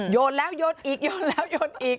โยนแล้วโยนอีกโยนแล้วโยนอีก